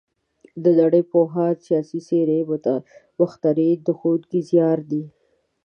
د نړۍ پوهان، سیاسي څېرې، مخترعین د ښوونکي زیار دی.